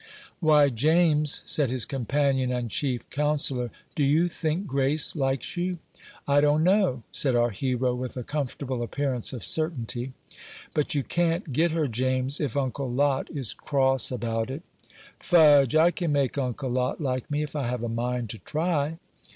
"Why, James," said his companion and chief counsellor, "do you think Grace likes you?" "I don't know," said our hero, with a comfortable appearance of certainty. "But you can't get her, James, if Uncle Lot is cross about it." "Fudge! I can make Uncle Lot like me if I have a mind to try."